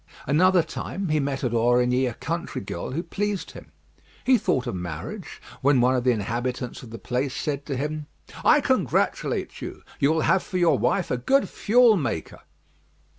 Another time he met at Aurigny a country girl who pleased him. He thought of marriage, when one of the inhabitants of the place said to him, "I congratulate you; you will have for your wife a good fuel maker."